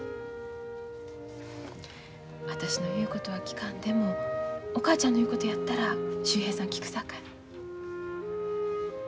私の言うことは聞かんでもお母ちゃんの言うことやったら秀平さん聞くさかい。